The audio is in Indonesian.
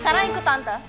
sekarang ikut tante